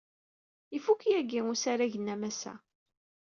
Ifuk yagi usarag-nni a Mass.